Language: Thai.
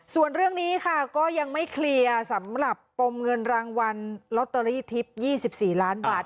ส่วนเรื่องนี้ค่ะก็ยังไม่เคลียร์สำหรับปมเงินรางวัลลอตเตอรี่ทิพย์๒๔ล้านบาท